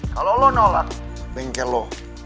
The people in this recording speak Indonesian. kalau lo nolak bengkel lo